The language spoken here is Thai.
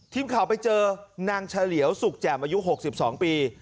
ทีมข่าวไปเจอนางเฉลียวสุกแจ่มอายุ๖๒ปี